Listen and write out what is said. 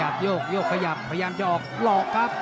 ด้วยแข่งซ้ายติดแขน